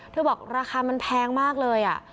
บอกราคามันแพงมากเลย